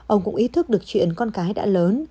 ông cũng ý thức được chuyện con cái đã lớn